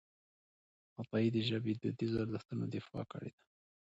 عطایي د ژبې د دودیزو ارزښتونو دفاع کړې ده.